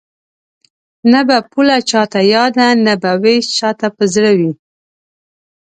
نه به پوله چاته یاده نه به وېش چاته په زړه وي